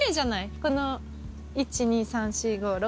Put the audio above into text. この１・２・３・４・５・６。